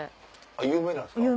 有名なんですか？